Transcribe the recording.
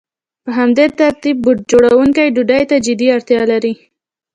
په همدې ترتیب بوټ جوړونکی ډوډۍ ته جدي اړتیا لري